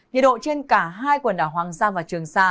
nhiệt độ trên cả hai quần đảo hoàng sa và trường sa